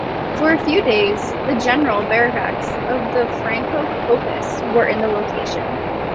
For a few days, the general barracks of the Franco coupists were in the location.